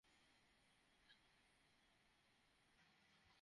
মিছিলটি শহরের বিভিন্ন সড়ক প্রদক্ষিণ করে শহীদ মিনার চত্বরে সমাবেশ করে।